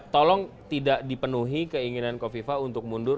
tolong tidak dipenuhi keinginan kofifa untuk mundur